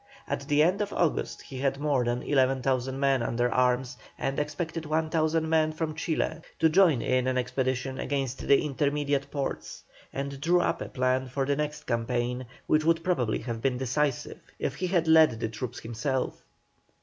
At the end of August he had more than 11,000 men under arms, and expected 1,000 men from Chile to join in an expedition against the intermediate ports, and drew up a plan for the next campaign, which would probably have been decisive if he had led the troops himself.